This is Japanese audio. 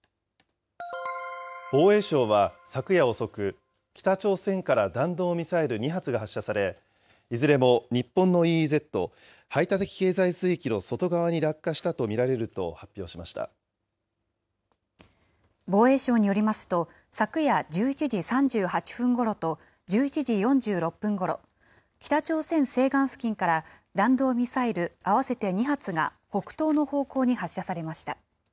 防衛省は昨夜遅く、北朝鮮から弾道ミサイル２発が発射され、いずれも日本のＥＥＺ・排他的経済水域の外側に落下したと見られ防衛省によりますと、昨夜１１時３８分ごろと１１時４６分ごろ、北朝鮮西岸付近から弾道ミサイル合わせて２発が北東の方向に発射されました。